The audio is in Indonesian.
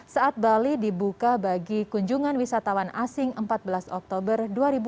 saat bali dibuka bagi kunjungan wisatawan asing empat belas oktober dua ribu dua puluh